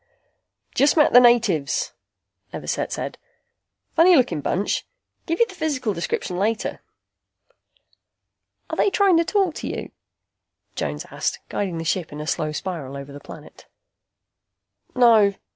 "Just met the natives," Everset said. "Funny looking bunch. Give you the physical description later." "Are they trying to talk to you?" Jones asked, guiding the ship in a slow spiral over the planet. "No.